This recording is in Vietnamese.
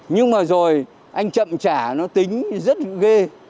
nhưng mà rồi anh chậm trả nó tính rất ghê